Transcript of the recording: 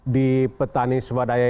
di petani swadaya